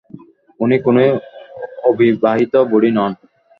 উনি কোনো অবিবাহিতা বুড়ি নন।